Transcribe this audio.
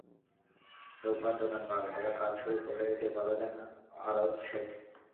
রোববার দোকান পাকা করার কাজ শুরু করলে এতে বাধা দেন আরোজ শেখ।